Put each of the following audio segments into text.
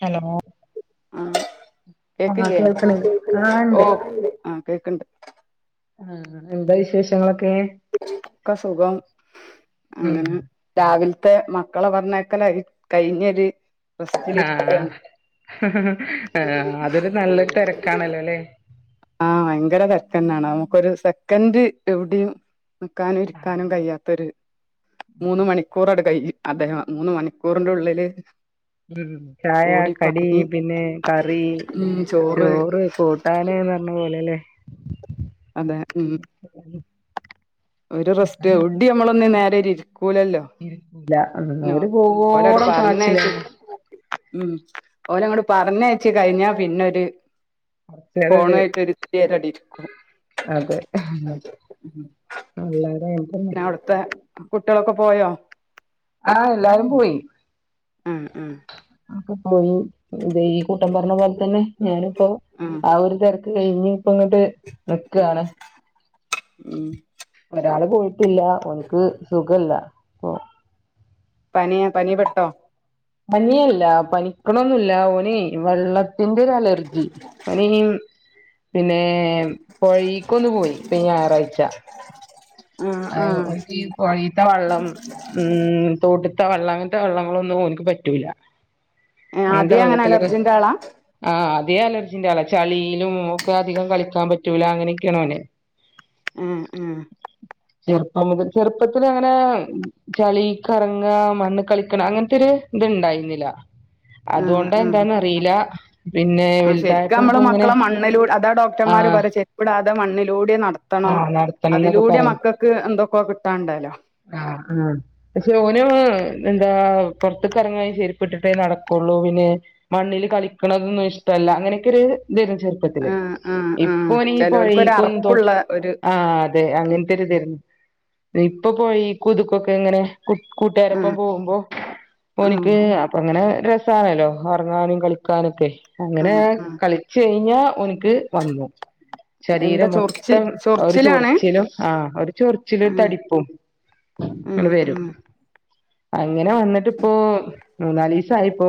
Hello ആഹ് ആഹ് കേക്കില്ലേ കേൾക്കണേ ആഹ് ഇണ്ട് ഓ ആഹ് കേക്കണ്ട് ആഹ് എന്താ വിശേഷങ്ങളൊക്കെ ഒക്കെ സുഖം ഉം അങ്ങനെ രാവില്ത്തെ മക്കളെ പറഞ്ഞയക്കലായ് കഴിഞ്ഞൊരു ആഹ് റിസ്കിലിരിക്കാണ് അല്ലോല്ലേ ആഹ് ഭയങ്കര തെരക്കന്നാണ് നമുക്കൊരു സെക്കൻഡ് എവിടേം നിക്കാനും ഇരിക്കാനും കയ്യാത്തൊരു മൂന്ന് മണി ക്കൂറട് കയ് അദ്ദേഹം മൂന്ന് മണിക്കൂറിന്റെ ഉള്ളില് ഉം ചായ ഓടി കടി പാഞ്ഞ് പിന്നെ കറി ചോറ് കൂട്ടാന് എന്ന് പറഞ്ഞ പോലല്ലെ അതെ ഉം ഒരു റെസ്റ്റ് ഒടിയു നമ്മളൊന്ന് നേരിരി ഇരിക്കൂലല്ലോ ഇരിക്കൂല്ല ഓര് ഓലങ്ങട് പോവോളം പാച്ചില പറഞ്ഞയച്ച് ഉം ഓലങ്ങോട് പറഞ്ഞയച്ച് കഴിഞ്ഞാ പിന്നൊരു കൊറച്ചേരൊരു ഫോണുവായിട്ടൊരു ഇത്തിരി നേരടിരിക്കും [unintelligible] അതെ കുട്ടികളൊക്കെ പോയോ ആഹ് എല്ലാരും പോയി ആഹ് ആഹ് ഒക്കെ പോയി ഇത ഈ കൂട്ടം പറഞ്ഞ പോലെ തന്നെ ഞാനിപ്പോ ആ ഒരു തിരക്ക് കഴിഞ്ഞ് ഇപ്പ ഇങ്ങട്ട് ഉ ഉം ഒരാള് പോയിട്ടില്ല ഒന്ക്ക് സുഖല്ല അപ്പൊ പനിയ പനി പെട്ടോ പനിയില്ല പനിക്കണന്നുല്ല ഓനെ വെള്ള ത്തിന്റെ ഒരു അലർജി ഓനീ പിന്നെ പോഴീക്കൊന്ന് പോയി ഇപ്പൊ ഈ ഞായറാഴ്ച ആഹ് അതെ ആഹ് ഒന്ക് ഈ പോഴീത്തെ വെള്ളം ഉം തോട്ട്ത്തെ വെള്ളം അങ്ങനത്തെ വെള്ളങ്ങളൊന്നും ഒന്ക്ക് പറ്റൂല ഏഹ് ആദ്യം അങ്ങനെ അലർജിന്റെ ആളാ ആഹ് അതേ അലർജിന്റെ ആള ചളിയിലും ഒക്കെ അധികം കളിക്കാൻ പറ്റൂല അങ്ങനെയൊക്കെയണോനെ ഉം ഉം ചെറുപ്പം മുതൽ ചെറുപ്പത്തില് അങ്ങനെ ചളിക്കറങ്ങ മണ്ണ് കളിക്കണം അങ്ങനത്തൊരു ഇത് ഇണ്ടായിരുന്നില്ല ആഹ് അതോണ്ട എന്താന്നറിയില്ല ആ ശരിക്കും നമ്മള് മക്കളെ മണ്ണിലൂടെ അതാ ഡോക്ടർമാർ ആഹ് പറ ചെ രിപ്പ്ടാതെ മണ്ണിലൂടെ നടത്തണം ആഹ് നടത്തണം എന്നൊക്കെ അതിലൂടെ മക്കൾക്ക് എന്തൊക്കോ കിട്ടാണ്ടല്ലോ ആഹ ആഹ പക്ഷെ ഓന എന്താ പുറത്തക്കറങ്ങാണെങ്കി ചെരിപ്പ് ഇട്ടിട്ടേ നടക്കുള്ളൂ പിന്നെ മണ്ണിൽ കളിക്കണതൊന്നും ഇഷ്ടല്ല അങ്ങനെയൊക്കെ ഒരു ഇതെരുന്നു ർപ്പത്തില് ആഹ് ആഹ് ആഹ് ഇപ്പൊ ഓനീ ഈ ചിലവർക്ക് ഒരു പോഴീക്കും അറപ്പുള്ള തോട്ട് ഒരു ആഹ അതെ അങ്ങനത്തെരുഇതേരുന്നു ഇപ്പൊ പോഴേക്കും ഇത്ക്കൊക്കെ ഇങ്ങനെ എങ്ങനെ കൂ കൂട്ടാരപ്പം ആഹ് പോകുമ്പോ ആഹ് ഒനിക്ക് അപ്പ അങ്ങനെ രസാണല്ലോ അറങ്ങാനും കളിക്കാനൊക്കെ അങ്ങനെ ആഹ് ആഹ് കളിച്ച കഴിഞ്ഞാ ഒനിക്ക് ഇത് വന്നു എന്താ ശരീരം ചൊറിച്ചിൽ മൊത്തം ഒരു ചൊറിച്ചിലാണ് ചൊറിച്ചിലും ആ ഒരു ചൊറിച്ചിലും ഒരു ആഹ് തടിപ്പും ഉം ഇണ് വരും ഉം അങ്ങനെ വന്നിട്ട് പ്പോ മൂന്നാലീസായിപ്പോ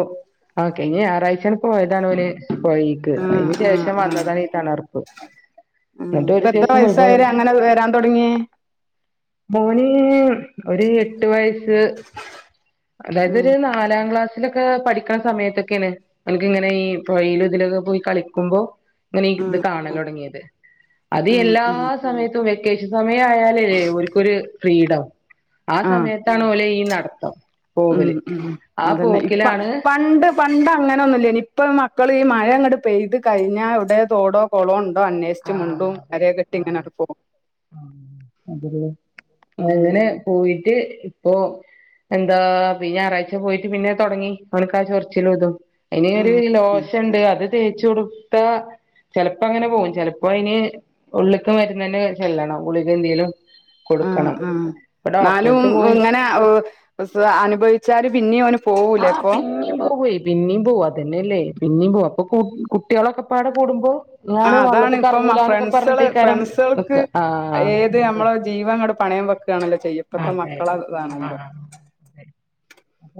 ആ കഴിഞ ഞറാഴ്ച പോയതാണ് ഓന് പോഴീക്ക് ആഹ് അതിന് ആഹ് ശേഷം ആഹ് വന്നതാണ് ഈ തണർപ്പ് ഉം എന്നിട്ട് ഇപ്പ ഒരു എത്ര ദിവസം മുഴുവൻ വയസ്സായരേ അങ്ങനെ വരാൻ തുടങ്ങിയ മോന് ഒരു എട്ട് വയസ്സ് അതായത് ഉം ഒരു നാലാം ക്ലാസ്സിലൊക്കെ പഠിക്കണ സമയത്തൊക്കെയാണ് ഒനക്ക് ഇങ്ങനെ ഈ പൊഴീലും ഇതിലൊക്കെ പോയി കളിക്കുമ്പോ ഇങ്ങനെ ഉം ഇത് കാണല് തോടങ്ങിയത് ഇത് ഉം എല്ലാ ഉം ഉം സമയത്തും വെക്കേഷൻ സമയം ആയാല്ലേ ഓല്ക്കൊരു ഫ്രീഡം ആ ആഹ് സമയത്താണ് ഓലെ ഈ നടത്തം ഉം പോവല് ഉം ആ അതന്നെ ഇപ്പ പോക്കിലാണ് പണ്ട് പണ്ട അങ്ങനെന്നുല്ലെനി ഇപ്പ മക്കള് ഈ മഴങ്ങട് പെയ്ത് കഴിഞ്ഞാൽ എവിടെ തോടോ കുളോ ഉണ്ടോ അന്വേ ഷിച്ചു ആ മുണ്ടും അതെ അര കെട്ടി ആ ഇങ്ങനെ പോവും അതല്ലേ ഉം അങ്ങനെ പോയിട്ട് ഇപ്പൊ എന്താ ഇപ്പൊ ഈ ഞായറാഴ്ച പോയിട്ട് പിന്നെ തുടങ്ങി ഓന്ക്ക് ആ ചൊർച്ചിലും ഇതും ഉം ഇനിയൊരു ഉം ലോശേണ്ട് അത് തേച്ച് കൊടുത്താ ചെലപ്പോ അങ്ങനെ പോകും ചെ ഇപ്പൊ അയ്ന് ഉള്ള്ക്ക് മരുന്ന തന്നെ ചെല്ലണം ഗുളികന്തേലും ആ ഉം ന്നാലും പോയി ഇങ്ങനെ അനുഭവിച്ചാല് പിന്നെ ഓന് പോവൂലേ ആഹ് ഇപ്പൊ പിന്നെയും പോവുയേ പിന്നീം പോകും അതന്നെയല്ലേ പിന്നീം പോവും അപ്പൊ കുട്ടിളൊക്കെ പാട കൂടുമ്പോ ആ ഞാന് അതാണ് വള്ളത്തി ഇപ്പം കെറങ്ങൂലാന്നൊക്കെ ഫ്രണ്ട്സുകള് പറഞ്ഞിട്ടേയ്ക്കാര്യം ന്നി ആ ജീവ അങ്ങോട് പണയം വെക്കുകയാണല്ലോ ചെയ്യപ്പത്തെ അതെ മക്കള അതാണല്ലോ ആ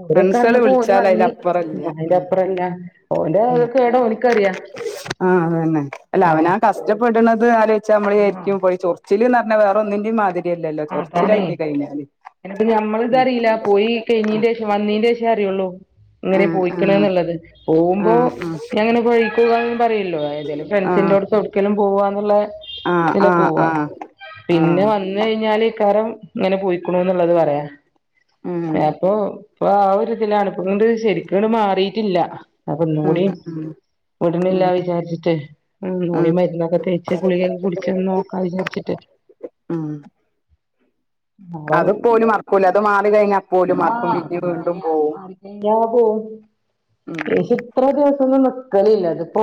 ഓരൊക്കെ ഇറങ്ങപ്പോ ഓരും ഇറങ്ങി അപ്പുറല്ല ന്റെ ഉം അപ്പുറല്ല ഓന്റെ കേടാ ഓനിക്കറിയാം ആഹ് അതന്നെ അല്ല അവന് ആ കഷ്ടപ്പെടുന്നത് ആലോചിച്ചാ നമ്മള് വിചാരിക്കും പോയി ചൊറച്ചിലീന്ന് പറഞ്ഞാൽ വേറെ ഒന്നിന്റെയും മാതിരി അല്ലല്ലോ ചൊറച്ചില് അതാണേ ഇളകി കഴിഞ്ഞാല് അയിനിപ്പ വന്നീന്റെ ശേഷേ അറിയുള്ളൂ ഇങ്ങനെ പോയിക്കണ് ആ എന്നുള്ളത് ആ പോകുമ്പോ ഇങ്ങനെ സ്വകാര്യം പറയുല്ലോ ഏതേലും ആ ഫ്രണ്ട്സിനോട് ഒരിക്കലും പോകുകാന്നുള്ള ആ ഇല്ല ആ ആ പോവാ ആ ആ പിന്ന വന്ന് വന്ന് കഴിഞ്ഞാൽ ഇക്കാരം ഇങ്ങനെ പോയിക്ക്ണു എന്നുള്ളത് പറയാനാ ഉം എപ്പൊ ഇപ്പ ആ ഒരു ഇതിലാണ് ഇപ്പം അത്കൊണ്ട് ശരിക്കങ്ങട് മാറീട്ടില്ല അപ്പൊ ഇന്നു ഉം കൂടിയും ഉം വിടുന്നില്ല ഉം വിചാരിച്ചിട്ട് ഇന്നും കൂടി ഉം മരുന്നൊക്കെ തേച്ച് ഗുളികേക്ക കുടിച്ചൊന്ന് നോക്കാന്ന് വിചാരിച്ചിട്ടാ മ്മ് അത് നാളെ ഇപ്പോല് മറക്കൂല അത് മാറി കഴിഞ്ഞാൽ [unintelligible] ഉം ഇത്ര ദിവസം ഒന്നും നിക്കലില്ല ഇതിപ്പോ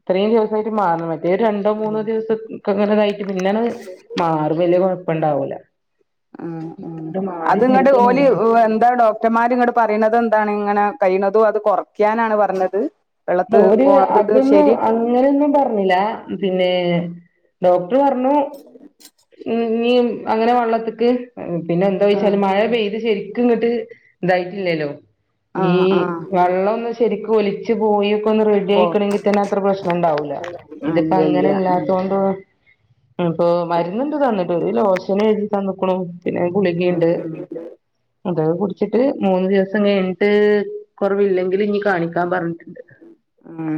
ഇത്രയും ദിവസമായിട്ട് മാറണം മറ്റേ ഒരു രണ്ടോ മൂന്നോ ദിവസം [unintelligible] അങ്ങനെ ഇതായിട്ട് പിന്നാണ് മാറും വലിയ കുഴപ്പം ഇണ്ടാവൂല ഉം ഉം അത്ങ്ങട് ശരിക്കും ഓല് മാറി എന്താ ഡോ ക്ടർമാറങ്ങട്ട് പറയുന്നത് എന്താണ് ഇങ്ങനെ കഴിയുന്നതും അത് കുറക്കാനാണ് പറഞ്ഞത് വെള്ളത്ത് ഓര് പോണത് ഇത് അതൊന്നും ശരി അങ്ങനെയൊന്നും പറഞ്ഞില്ല പിന്നെ ഡോക്ടർ പറഞ്ഞു ഇനിയും അങ്ങനെ വെള്ളത്തിക്ക് പിന്നെ എന്താ വെച്ചാല് ആഹ് മഴ പെയ്ത് ശരിക്കും ഇങ്ങട്ട് ഇതായിട്ടില്ലല്ലോ ഈ ആഹ് ആഹ് വെള്ളം ഒന്ന് ശരിക്കും ഒലിച്ചു പോയി ഒന്ന് റെഡി പോ ആയിക്കണമെങ്കി തന്നെ അത്ര പ്രശ്നം ഇണ്ടാവൂല്ല ഇതിപ്പോ ഇല്ല ഇല്ല അങ്ങനെ ഉം ഇല്ലാത്തൊണ്ട് ഇപ്പൊ മരുന്നുണ്ട് തന്നിട്ട് ഒരു ലോഷന് എഴുതി തന്ന്ക്കണു പിന്നെ ഗുളികയുണ്ട് ഉം ഉം അതൊക്കെ കുടിച്ചിട്ട് മൂന്ന് ദിവസം കഴിഞ്ഞിട്ട് കുറവില്ലെങ്കിൽ ഇനി കാണിക്കാൻ പറഞ്ഞിട്ട് മ്മ്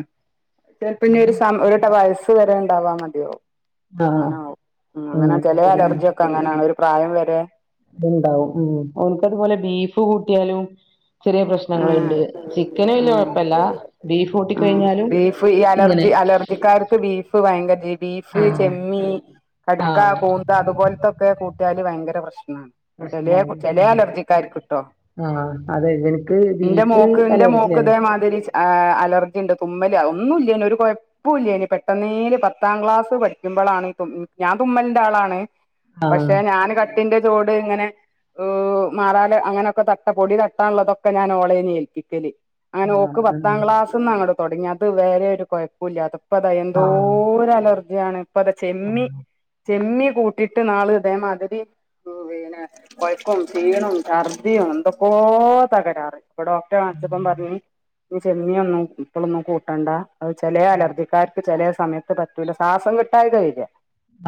ചെലപ്പം ഇനി ഒരു സമ് ഇവര്ട വയസ് വരെ ഉണ്ടാവാ മതിയോ ആഹ് അങ്ങനാവുംഅങ്ങനെ ഉം ചെല അതന്നെ അലർജി ഒക്കെ അങ്ങനെയാണ് ഒരു പ്രായം വരെ ഉണ്ടാവും മ്മ് ഓന്ക്ക് അതുപോലെ ബീഫ് കൂട്ടിയാലും ചെറിയ ആഹ് പ്രശ്നങ്ങളുണ്ട് ചിക്കന് വല്ല്യ ആഹ് കുഴപ്പല്ല ബീഫ് കൂട്ടിക്കഴിഞ്ഞാലും ഇങ്ങനെ ഹിന്ദിക്കാർക്ക് ബീഫ് ഭയങ്കര ബീഫ് ആഹ് ചെമ്മീൻ കട്ക്ക ആഹ് കൂന്തൽ ഇത് അതുപോല്ത്തൊക്കെ കൂട്ടിയാല് ഭയങ്കര പ്രശ്നാണ് ചെലയ പ്രശ്നാണ്. ചെല ഉം അലർജിക്കാർക്ക് കേട്ടോ ആഹ് അതെ [unintelligible] എന്റെ ബീഫ് മോക്ക് എന്റെ മോക്ക് അലർജിയാണ് ഇതേമാതിരി അലർജി ഉണ്ട് തുമ്മല് ഒന്നും ഇല്ലേനു ഒരു കൊഴ പ്പം ഇല്ലേനു പെട്ടെന്നീല് പത്താം ക്ലാസ് പഠിക്കുമ്പോളാണ് ഞാൻ തുമ്മലിന്റെ ആളാണ് ആഹ് പക്ഷെ ഞാന് ക ട്ടിന്റെ ചോട് ഇങ്ങനെ മാറാല അങ്ങനെയൊക്കെ തട്ട പൊടി തട്ടാനുള്ളതൊക്കെ ഇപ്പം ഞാൻ ഓളേനു ഏൽപ്പിക്കല് അങ്ങനെ ഓക്ക് പത്താം ആഹ് ക്ലാസ് അന്ന അങ്ങട് തുടങ്ങി അത് വരെ ഒരു കൊഴപ്പം ഇല്ല അതിപ്പോ അത എന്തോ ആഹ് ഒരു അലർജിയാണ് അപ്പ ഇത ചെമ്മി ആഹ് ചെമ്മീൻ കൂട്ടിയിട്ട് നാളെ ഇതേമാതിരി ഉം പിന്നെ കൊഴപ്പോം ക്ഷീണോം ഛർദിയും എന്തക്കോ തകരാറ് ഇപ്പൊ ഡോക്ടറെ കാണിച്ചപ്പം പറഞ്ഞ് നീ ചെമ്മീനൊന്നും ഇപ്പളൊന്നും കൂട്ടണ്ട അത് ചെല അലർജിക്കാർക്ക് ചെല സമയത്ത് പറ്റൂല ശ്വാസം കിട്ടായ്ക വരില്ല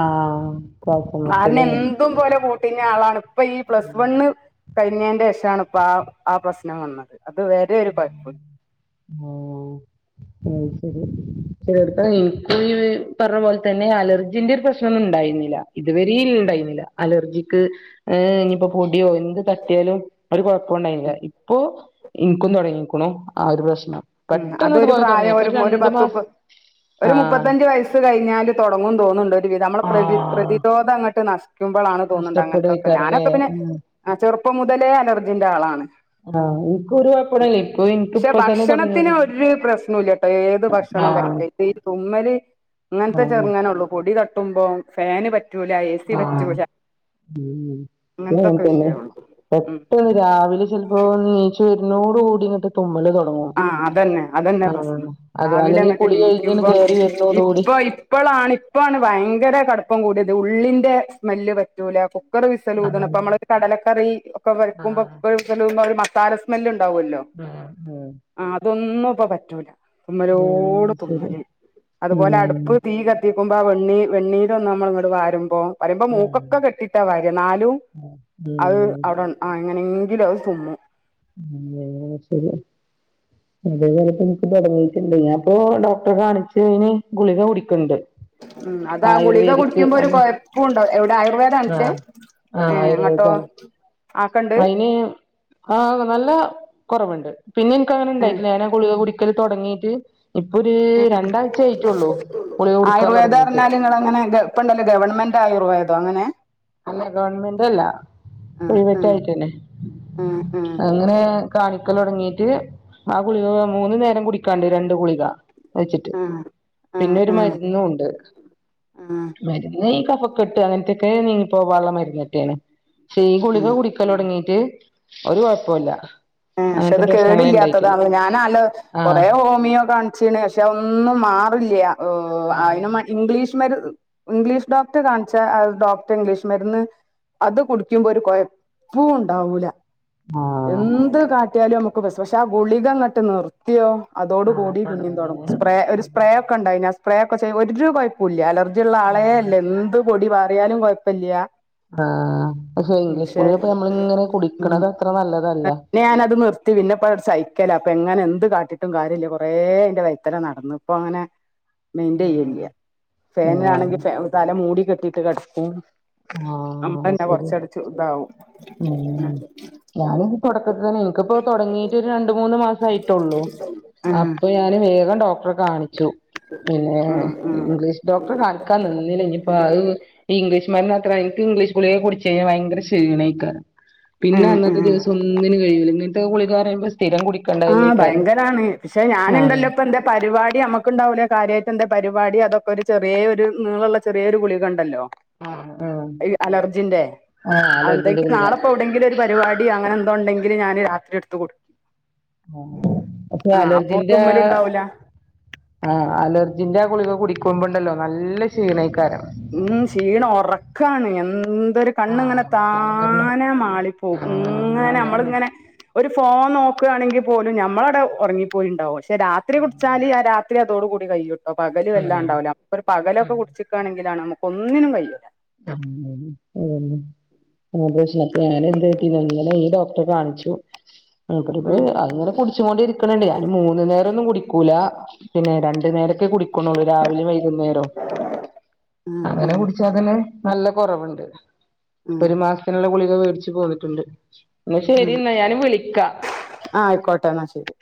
ആഹ് ശ്വാസം മുട്ട് ലെ ഇഷ്ടം പോലെ കൂട്ടിന് ആളാണ് ഇപ്പൊ ഈ പ്ലസ് വണ്ണ് കഴിഞ്ഞതിന്റെ ശേഷമാണ് ഇപ്പ ആഹ് ആഹ് പ്രശ്നം വന്നത് അത് വരെ ഒരു കൊഴപ്പുല്ല ഓഹ് അഹ് ശെരി [unintelligible] ഈ പറഞ്ഞ പോലെ തന്നെ അലർജിന്റെ ഒരു പ്രശ്നമൊന്നും ഉണ്ടായിരുന്നില്ല ഇതുവരെയൊന്നും ഉണ്ടായിരുന്നില്ല അലർജിക്ക് ഏഹ് ഇനിയിപ്പോ പൊടിയോ എന്ത് തട്ടിയാലും ഒരു കൊഴപ്പണ്ടായില്ല ഇപ്പൊ ഇനിക്കും തുടങ്ങിക്ക്ണു ആ ഒരു പ്രശ്നം മ്മ് പെട്ടെന്ന് അതൊരു ഇതുപോലെ തുടങ്ങി. പ്രായം ഇപ്പൊ ഒരു ഒരു രണ്ടു പത്ത് മുപ്പ് മാസം ഒരു ആഹ് മുപ്പത്തഞ്ച് വയസ് കഴിഞ്ഞാല് തുടങ്ങും തോന്നുന്നുണ്ട് ഒരു വിധം നമ്മ പ്രധി ആഹ് പ്രതിരോധ അങ്ങട്ട് ന വിക്കുമ്പോളാണ് തോന്നുണ്ട് അങ്ങനത്തെക്കെ നഷ്ടപ്പെടേക്കാരല്ലേ ഞാനൊക്കെ പിന്നെ ഉം. ചെറപ്പം മുതലേ അലർജിന്റെ ആളാണ്. ആഹ് നിക്ക് കുയപ്പണല്ലേ ഇപ്പൊ എനിക്ക പക്ഷെ ഇപ്പ തന്നെ ഭക്ഷണത്തിന് തുടങ്ങിയത്. ഒരു പ്രശ്നുല്ല കേട്ടോ ഏത് ഭക്ഷണം ആഹ് കഴിക്ക ഇത് ഈ തുമ്മല് അങ്ങനത്തെ ആഹ് ചെറുങ്ങാനള്ളൂ പൊടി തട്ടുമ്പോം ഫാന് പറ്റൂല ഏ സി പറ്റൂല. അങ്ങന അങ്ങനത്തൊക്കെ തന്നെ വിഷയമുള്ളൂ ഉം പെട്ടന്ന് രാവിലെ ചെലപ്പോ നീ ചുര്നോട് കൂടിങ്ങിട്ട് തുമ്മല് തുടങ്ങും ആഹ് അതന്നെ അതന്നെ ആഹ് പ്രശ്നം അത രാവിലെ അല്ലെങ്കിൽ അങ്ങട്ട് കുളി കഴിഞ്ഞണ് കേറി വരുന്നോടി കൂടി ഇപ്പോളാണ് ഇപ്പോണ് ഭയങ്കര കടപ്പം കൂടിയത് ഉള്ളിന്റെ സ്മെല്ല് പറ്റൂല. കുക്കറ് വിസലഊതുന്നു ആഹ് ഇപ്പൾ നമ്മൾ ഒരു കടലക്കറി ഒക്കെ ആഹ് വരക്കുമ്പൾക്ക വിസലൂതുമ്പ ഒരു മസാല സ്മെല് ഉണ്ടാവുമല്ലോ? ആഹ് ഉം ആഹ് അതൊന്നും ഇപ്പ പറ്റൂല തുമ്മലോട് ഉം ശരി തുമ്മല് അതുപോലെ ഉം അടുപ്പ് തീക കത്തിക്കുമ്പോ ആ വെണ്ണി വെണ്ണീരൊന്നട്ന്ന് നമ്മള ഇങ്ങോട് വരുമ്പോ പറയുമ്പോൾ മൂക്കൊക്കെ കെട്ടിട്ടാ വാര് നാലും അത് ഉം അവിടെ ആഹ് എങ്ങനെങ്കിലും അത് തുമ്മും ല്ലെ ശെരിയാ അത് പോലപ്പോ എനിക്ക് തുടങ്ങട്ടുണ്ട് ഞാൻ പ്പൊ ഡോക്ടറെ കാണിച്ച് അതിന് ഗുളിക കുടിക്കണ്ട്. ഉം അതാ ഗുളിക ആയുർവേദിക് കുടിക്കുമ്പോ ഒരു അത് കൊഴപ്പുണ്ട എവിടെ ആയുർവേദ കാണച്ചേ? ആഹ് ആഹ് ആയുർവേദണ്. ആക്കണ്ട് അയ്ന് ആഹ് നല്ല കുറവുണ്ട് പിന്നെ എനിക്ക് ഉം അങ്ങനെണ്ടായിട്ടില്ല ഞാൻ ഗുളിക കുടി കുടിക്കൽ തുടങ്ങീട്ട് ഇപ്പൊ ഒരു രണ്ടാഴ്ച ആയിട്ടള്ളൂ ഗുളിക കുടിക്കാൻ ആയുർവേദ തുടങ്ങീട്ട്. [unintelligible] ഇപ്പണ്ടല്ലോ ഗവൺമെന്റ് ആയുർവേദം അങ്ങനെ? അല്ല ഗവൺമെന്റല്ല ആഹ് പ്രൈവറ്റ് ആഹ് ആയിട്ടന്നെ ആഹ് അങ്ങനെ കാണിക്കലൊടങ്ങിട്ട് ആ ഗുളിക മൂന്നു നേരം കുടിക്കാണ്ട് രണ്ട് ഗുളിക. വച്ചിട്ട് ആഹ് ആഹ് പിന്നെരു ആഹ് മരുന്നുണ്ട്. ആഹ് ആഹ് മരന്ന് ഈ കഫക്കെട്ട് അങ്ങനത്തെക്കെ നീങ്ങി പോകള്ള മരുന്നൊറ്റാണ് പക്ഷേ ഈ ഗുളിക ആഹ് കുടി ക്കലോടങ്ങീട്ട് ഒരു കുഴപ്പല്ല. ആഹ് പക്ഷെ അത് കേടില്ലാത്തതാണ ഞാനത് കൊറേ ആഹ് ഹോമിയോ കാ ചിണ് പക്ഷെ ഒന്നും മാറില്ല ഓഹ് ആഹ് അയിന് മാ ഇംഗ്ലീഷ് മരു ഇംഗ്ലീഷ് ഡോക്ടറെ കാണിച്ച ഡോക്ടർ ഇംഗ്ലീഷ് മരുന്ന് അത് കുടിക്കുമ്പോ ഒരു കുഴപ്പൂണ്ടാവൂല. ആഹ് എന്ത് കാട്ടിയാലും നമുക്ക് പക്ഷെ ആ ഗുളിക ങ്ങട്ട് നിർ യോ ആഹ് അതോടകൂടി പിന്നീന്തോടുങ്ങും തൊടങ്ങീന് സ്പ്രേ ഒരു അതെ സ്പ്രേ ഒക്കെണ്ട ആ സ്പ്രേ ഒക്കെ ഒരു കൊയ് പുല്ല അലർജി ഉള്ള ആളെ അതെ അല്ല എന്ത് പൊടി പാറിയാലും കൊഴപ്പില്ല. ആഹ് പക്ഷെ ഇംഗ്ലീഷ് ഗുളിക പ്പ നമ്മള ഇങ്ങനെ ഉം കുടിക്കണത് അത്ര നല്ലതല്ല. ഞാനത് നിർത്തി പിന്നെപ്പോഴ സൈക്കലാണ് അപ്പ അങ്ങനെ എന്ത് കാട്ടിയിട്ടും കാര്യമില്ല കുറേ അയ്ൻ്റെ വൈത്തല നടന്ന് ഇപ്പോൾ അങ്ങനെ ആഹ് മെയിന്റയില്ല ആഹ് ഫാനിനാണെങ്കിൽ തല മൂടി കെട്ടിട്ട് കിടക്കും ആഹ് [unintelligible] മ് ഞാനിത് തുടക്കത്തിതന്നെ എനിക്കിപ്പോ തുടങ്ങീട്ട് ഒരു രണ്ട് മൂന്ന് മാ യിട്ടുള്ളൂ ഉം അപ്പൊ ഞാന് വേഗം ഡോക്ടറെ കാണിച്ചു. പിന്നെ ഉം ഇംഗ്ലീഷ് ഡോക്ടറെ കാണിക്കാൻ നിന്നില്ല ഇനിയിപ്പോ അത് ഇംഗ്ലിഷ്മരുന്നത്ര എനിക്ക് ഇംഗ്ലിഷ്ഗുളിക കുടിച്ചഴഞ്ഞാ ഭയങ്കര ഷീണ പിന്നെ ഉം ഉം അന്നത്തെ ഉം ദിവസം ഒന്നിനും കഴിയില്ല ഇങ്ങനത്തെ ഗുളികാന്ന് പറയുമ്പോ സ്ഥിരം കുടി ആഹ് ഭയങ്കരാണ് പക്ഷെ ആഹ് ഞാനുണ്ടല്ലോ ഇപ്പെന്താ? പരിവാടി നമ്മക്ക്ണ്ടാവൂലേ കാര്യയിട്ട് എന്തെ പരിവാടി അതൊക്കെ ഒര് ചെറിയെരു നീളൊള്ള ചെറിയോരു ഗുളികയുണ്ടല്ലോ ആഹ് അലർജിന്റെ ആഹ് അലർജിന്റെ അതുണ്ടെങ്കി ഗുളിക നാളെപ്പോവെടെങ്കിലും ഒര് പരിവാടി അടി അങ്ങനെ എന്തൊണ്ടങ്കില് ഞാന് രാത്രിയെടത്ത് കൊടു അപ്പൊ അപ്പോ അലർജീന്റ തുമ്മലുണ്ടാവൂല ആഹ് അലർജിന്റെ ആഹ് കുളിക കുടിക്കുമ്പുണ്ടല്ലോ നല്ല ക്ഷീണയ്ക്കാരം ഉം ക്ഷീണം ഒറക്കാണ് എന്തൊര് കണ്ണ്ങ്ങനെ ആഹ് അതെന്നെ പറഞ്ഞെ താനെ മാളിപ്പോ ആഹ് ഇങ്ങനെ അതാണ് നമ്മള്ങ്ങനെ ഒരു ഫോൺ നോക്കുവാണെങ്കിൽ പോലും നമ്മളവിടെ ഉറങ്ങിപ്പോയിണ്ടാവും പക്ഷെ രാത്രി കുടിച്ചാൽ ആഹ് രാ ത്രിയതോടു കൂടി കയിട്ടോ പകല് വല്ലാ ഉണ്ടാവില്ല നമക്ക്ഒരു പകലൊക്കെ കുടിച്ചിക്കണെങ്കിലാണ് നമുക്ക് ഒന്നിനും വയ്യ [unintelligible] പ്രശ്നത്തി ഞാന് എന്തറ്റീന്നോ ഇന്നലെ ഈ ഡോക്ടറെ കാണിച്ചു ഉം അങ്ങനെ കുടിച്ചോണ്ടിരി ക്ക്ണണ്ട് ഞാന് മൂന്ന് നേരം ഒന്നും കുടിക്കൂല പിന്നെ രണ്ട് നേരൊക്കെ കുടിക്ക്ണോള്ളൂ രാവിലേം വൈകുന്നേരം ഉം അങ്ങനെ കുടിച്ചാ തന്നെ നല്ല കൊറവുണ്ട് ഉം ഒര് മാസ ത്തിനുള്ള ഗുളിക വേടിച്ച് പോന്നിട്ട്ണ്ട് എന്നാ ശെരിന്നാ ഞാന് വിളിക്കാ ആഹ് ആയിക്കോട്ടെ എന്നാ ശെരി